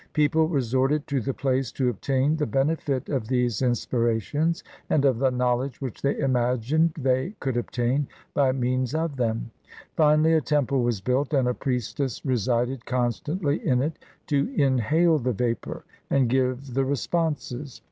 People resorted to the place to obtain the benefit of these inspirations, and of the knowledge which they imagined they could obtain by means of them. Finally, a temple was built, and a priestess re sided constantly in it, to inhale the vapor and give the 304 HOW CYRUS WON THE LAND OF GOLD responses.